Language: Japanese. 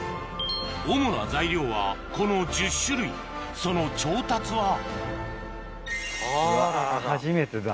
・主な材料はこの１０種類その調達は初めてだ。